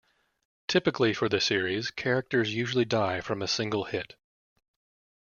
Typically for the series, characters usually die from a single hit.